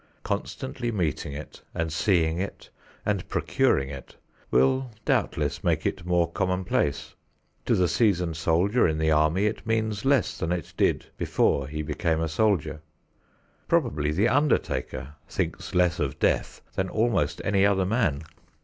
Constantly meeting it and seeing it and procuring it will doubtless make it more commonplace. To the seasoned soldier in the army it means less than it did before he became a soldier. Probably the undertaker thinks less of death than almost any other man.